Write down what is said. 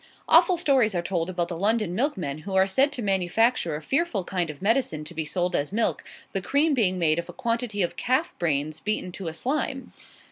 Awful stories are told about the London milkmen, who are said to manufacture a fearful kind of medicine to be sold as milk, the cream being made of a quantity of calf's brain beaten to a slime.